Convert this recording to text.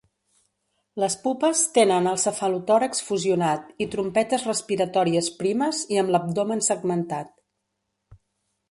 Les pupes tenen el cefalotòrax fusionat i trompetes respiratòries primes i amb l'abdomen segmentat.